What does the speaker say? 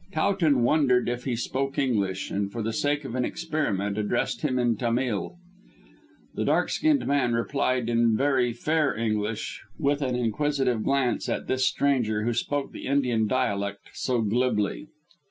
Towton wondered if he spoke English, and, for the sake of an experiment, addressed him in Tamil. The dark skinned man replied in very fair English, with an inquisitive glance at this stranger who spoke the Indian dialect so glibly.